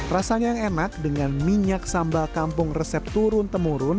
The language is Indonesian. rasanya yang enak dengan minyak sambal kampung resep turun temurun